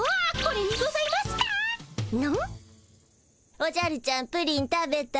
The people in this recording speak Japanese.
おじゃるちゃんプリン食べた？